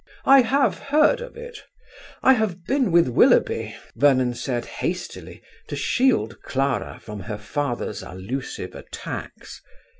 "I have heard of it; I have been with Willoughby," Vernon said, hastily, to shield Clara from her father's allusive attacks.